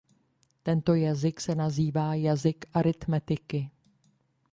Tento jazyk se nazývá jazyk aritmetiky.